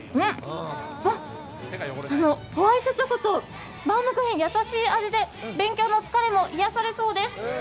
あっ、ホワイトチョコとバウムクーヘン、優しい味で勉強の疲れも癒やされそうです。